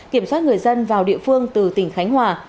kiểm soát người dân vào địa phương từ tỉnh khánh hòa